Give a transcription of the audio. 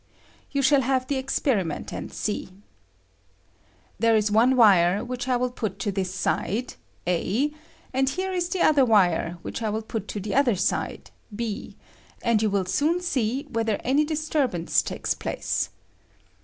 You shall have the experiment and see. There is one wire which I will put to this side (a), and here is the other wire which I will put to the other side (b), and you will soon see whether any disturbance takes place.